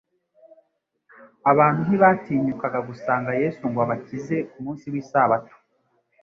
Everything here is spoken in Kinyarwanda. Abantu ntibatinyukaga gusanga Yesu ngo abakize ku munsi w'isabato,